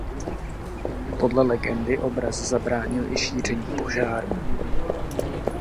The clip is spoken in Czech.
Podle legendy obraz zabránil i šíření požáru.